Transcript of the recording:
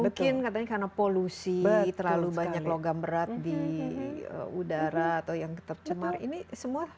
mungkin katanya karena polusi terlalu banyak logam berat di udara atau yang tercemar ini semua